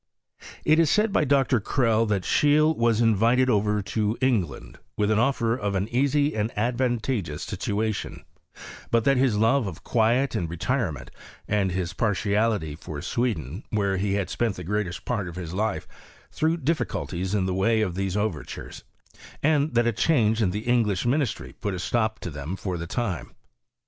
It is said by Dr. Crell that Scheele was invited over to England, with an offer of an easy and advan tageous situation ; but that his love of quiet and re tirement, and his partiality for Sweden, where he had spent the greatest part of his life, threw diffi culties in the way of these overtures, and that a change in the English ministry put a stop to theEft PROGRESS OF CHEMISTRY IN SWEDEIT. 61 for tlie time.